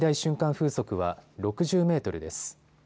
風速は６０メートルです。